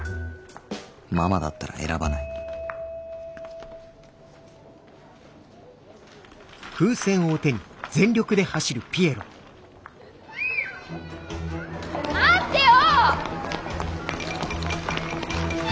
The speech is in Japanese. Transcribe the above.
ママだったら選ばない待ってよ！